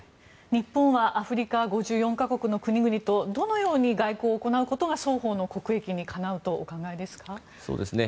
日本はアフリカ、５４か国の国々とどのように外交を行うことが双方の国益にかなうとお考えですか？